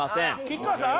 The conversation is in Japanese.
菊川さん！？